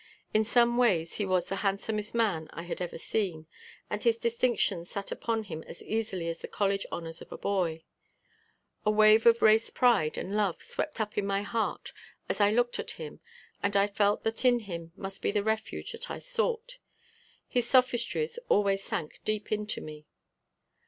In some ways he was the handsomest man I had ever seen and his distinctions sat upon him as easily as the college honors of a boy. A wave of race pride and love swept up in my heart as I looked at him and I felt that in him must be the refuge that I sought. His sophistries always sank deep into me.